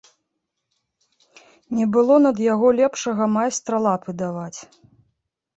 Не было над яго лепшага майстра лапы даваць.